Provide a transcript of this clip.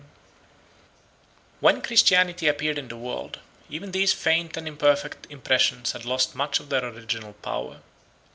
] When Christianity appeared in the world, even these faint and imperfect impressions had lost much of their original power.